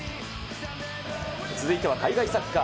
続いては海外サッカー。